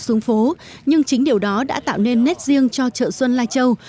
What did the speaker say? xuống phố nhưng chính điều đó đã tạo nên nét riêng cho chợ xuân lai châu